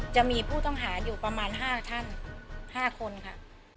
จะมีผู้ต้องหาอยู่ประมาณ๕ท่าน๕คนค่ะ